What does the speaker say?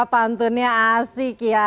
pantunnya asik ya